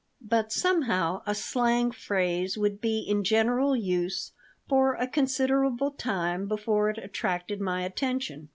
But somehow a slang phrase would be in general use for a considerable time before it attracted my attention.